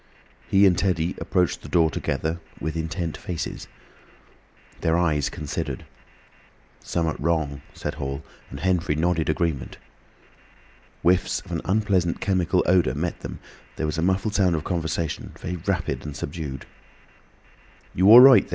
He and Teddy approached the door together, with intent faces. Their eyes considered. "Summat wrong," said Hall, and Henfrey nodded agreement. Whiffs of an unpleasant chemical odour met them, and there was a muffled sound of conversation, very rapid and subdued. "You all right thur?"